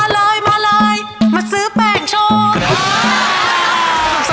เลยมาเลยมาซื้อแป้งโชค